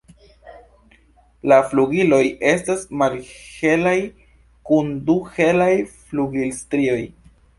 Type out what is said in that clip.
La flugiloj estas malhelaj kun du helaj flugilstrioj.